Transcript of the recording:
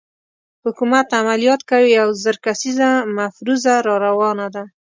حکومت عملیات کوي او زر کسیزه مفروزه راروانه ده.